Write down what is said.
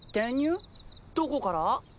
どこから？